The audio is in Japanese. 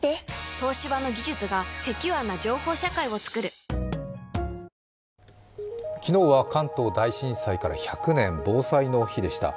東芝の技術がセキュアな情報社会をつくる昨日は関東大震災から１００年、防災の日でした。